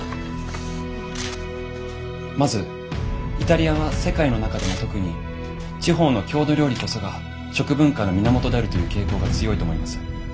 まずイタリアは世界の中でも特に「地方の郷土料理こそが食文化の源である」という傾向が強いと思います。